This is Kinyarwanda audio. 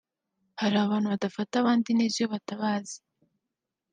Hari abantu badafata abandi neza iyo batabazi